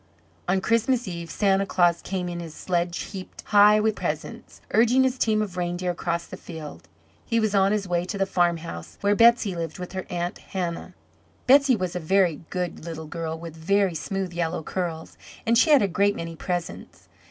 On Christmas Eve Santa Claus came in his sledge heaped high with presents, urging his team of reindeer across the field. He was on his way to the farmhouse where Betsey lived with her Aunt Hannah. Betsey was a very good little girl with very smooth yellow curls, and she had a great many presents.